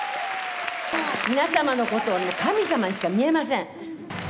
皆様のことは、神様にしか見えません。